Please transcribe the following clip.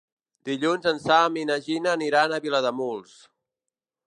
Dilluns en Sam i na Gina aniran a Vilademuls.